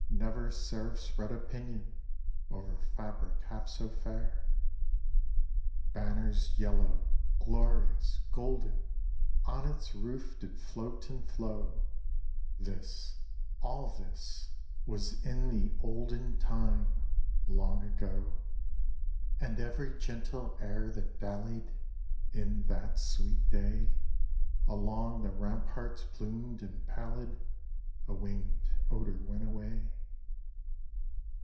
Never seraph spread a pinion Over fabric half so fair! Banners yellow, glorious, golden, On its roof did float and flow, (This all this was in the olden Time long ago), And every gentle air that dallied, In that sweet day, Along the ramparts plumed and pallid, A winged odor went away.